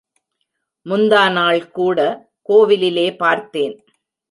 முந்தாநாள் கூட கோவிலிலே பார்த்தேன்.